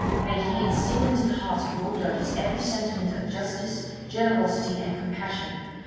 may He instil into the hearts of your judges every sentiment of justice, generosity, and compassion!